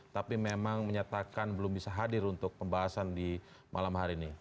tapi memang menyatakan belum bisa hadir untuk pembahasan di malam hari ini